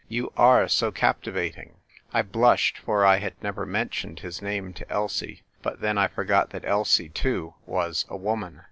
You are so captivating!" I blushed, for I had never mentioned his name to Elsie; but then, I forgot that Elsie too was a woman.